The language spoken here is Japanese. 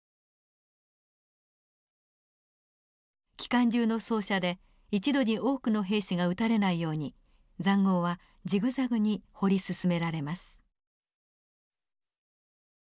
機関銃の掃射で一度に多くの兵士が撃たれないように塹壕はジグザグに掘り進められます。